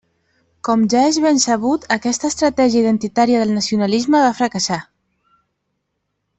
Com ja és ben sabut, aquesta estratègia identitària del nacionalisme va fracassar.